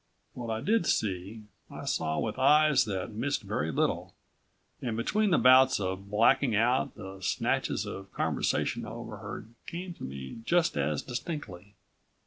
What I did see, I saw with eyes that missed very little. And between the bouts of blacking out the snatches of conversation I overheard came to me just as distinctly.